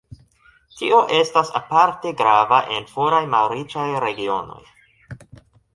Tio estas aparte grava en foraj malriĉaj regionoj.